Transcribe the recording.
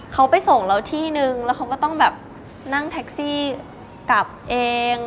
เขาไปส่งเราที่นึงแล้วเขาก็ต้องแบบนั่งแท็กซี่กลับเอง